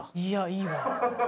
いやいいわ。